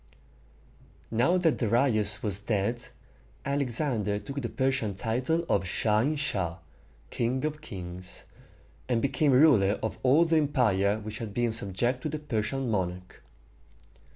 Now that Darius was dead, Alexander took the Persian title of "Shah in Shah" (king of kings), and became ruler of all the empire which had been subject to the Persian monarch.